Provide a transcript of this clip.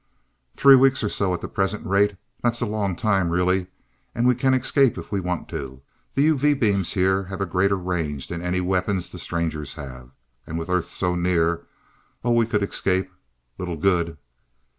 "Three weeks or so, at the present rate. That's a long time, really. And we can escape if we want to. The UV beams here have a greater range than any weapon the Strangers have, and with Earth so near oh, we could escape. Little good."